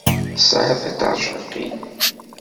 Tesɛid tiṭercaqin?